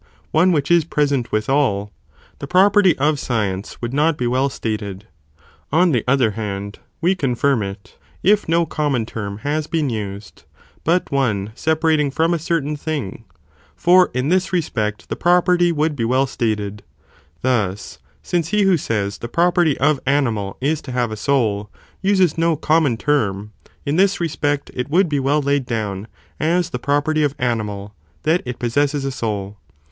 one which is pre sent with all, the property of science would not be well stated ; on the other hand we confirm it, if no common term has been used, but one separating from a certain thing, for in this respect the property would be well stated, thus, since he who says the property of animal is to have a soul, uses no common (term), in this respect it would be well laid down, as the pro perty of animal, that it possesses a soul.